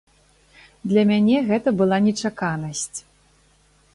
Для мяне гэта была нечаканасць.